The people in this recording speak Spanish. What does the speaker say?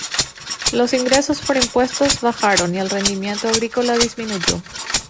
Los ingresos por impuestos bajaron y el rendimiento agrícola disminuyó".